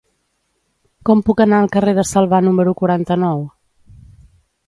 Com puc anar al carrer de Salvà número quaranta-nou?